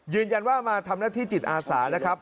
ยืนยันว่ามาทำหน้าที่จิตอาสานะครับ